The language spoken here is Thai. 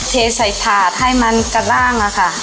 เทใส่ถาดให้มันกระด้างอะค่ะ